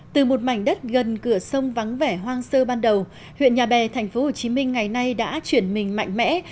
từ một mảnh đất gần cửa sông vắng vẻ hoang sơ ban đầu huyện nhà bè thành phố hồ chí minh ngày nay đã chuyển mình mạnh mẽ